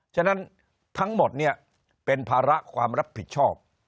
ฉะนั้นทั้งหมดเนี่ยเป็นภาระความรับผิดชอบ